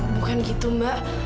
bukan gitu mbak